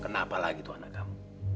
kenapa lagi itu anak kamu